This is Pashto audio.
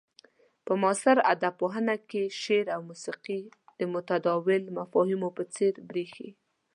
په معاصر ادب پوهنه کې شعر او موسيقي د متداول مفاهيمو په څير بريښي.